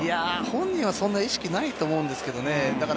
本人はそんなに意識はないと思うんですけれどね。